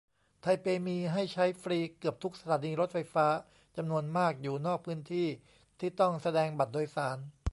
ไทเปมีให้ใช้ฟรีเกือบทุกสถานีรถไฟฟ้า จำนวนมากอยู่นอกพื้นที่ที่ต้องแสดงบัตรโดยสาร